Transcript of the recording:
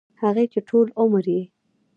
هغـې چـې ټـول عـمر يـې